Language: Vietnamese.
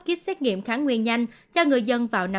kýp xét nghiệm kháng nguyên nhanh cho người dân